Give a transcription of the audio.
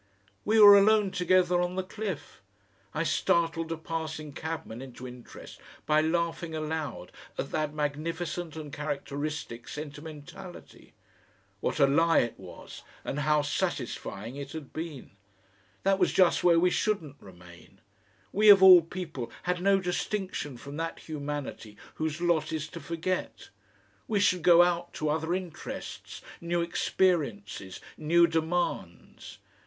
We were alone together on the cliff! I startled a passing cabman into interest by laughing aloud at that magnificent and characteristic sentimentality. What a lie it was, and how satisfying it had been! That was just where we shouldn't remain. We of all people had no distinction from that humanity whose lot is to forget. We should go out to other interests, new experiences, new demands.